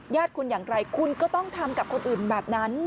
ญาติคุณอย่างไรคุณก็ต้องทำกับคนอื่นแบบนั้น